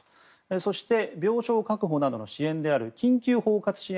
そして病床確保などの支援である緊急包括支援